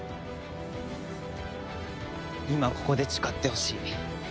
今ここで誓ってほしい。